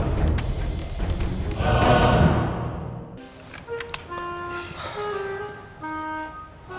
gantiin si bimbing rapat ya